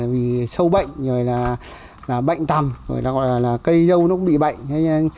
vì sâu bệnh bệnh tầm cây dâu nó cũng bị bệnh